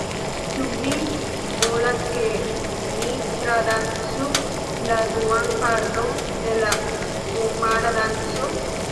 Ĉu vi volas ke ni tradancu la duan parton de la Omara Danco?